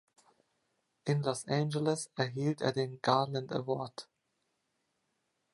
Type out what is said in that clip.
In Los Angeles erhielt er den Garland Award.